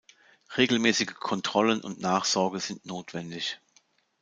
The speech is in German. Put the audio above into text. Regelmäßige Kontrollen und Nachsorge sind notwendig.